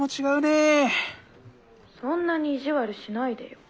そんなに意地悪しないでよ。